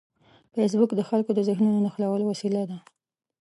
فېسبوک د خلکو د ذهنونو نښلولو وسیله ده